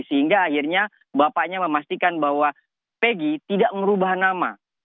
sehingga akhirnya bapaknya memastikan bahwa pegi tidak merubah nama